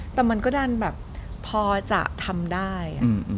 แต่มันก็ดันแบบพอจะทำได้